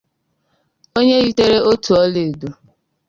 onye ritere otu ọlaedo